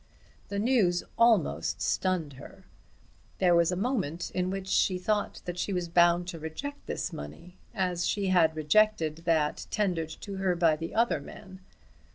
The news almost stunned her. There was a moment in which she thought that she was bound to reject this money, as she had rejected that tendered to her by the other man.